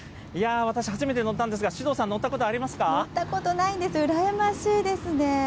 私、初めて乗ったんですが、首藤さん、乗ったことないんです、羨ましいですね。